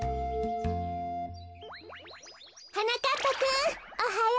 はなかっぱくんおはよう。